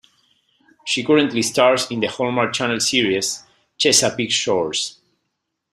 She currently stars in the Hallmark Channel series "Chesapeake Shores".